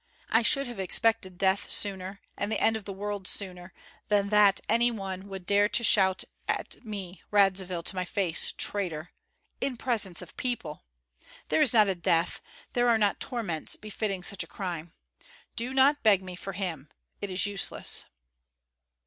"I should have expected death sooner, and the end of the world sooner, than that any one would dare to shout at me, Radzivill, to my face, 'Traitor!' In presence of people! There is not a death, there are not torments befitting such a crime. Do not beg me for him; it is useless."